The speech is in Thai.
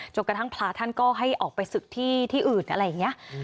กระทั่งพระท่านก็ให้ออกไปศึกที่อื่นอะไรอย่างนี้